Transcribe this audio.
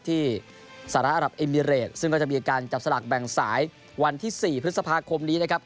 ที่สหรัฐอรับเอมิเรตซึ่งก็จะมีการจับสลักแบ่งสายวันที่๔พฤษภาคมนี้นะครับ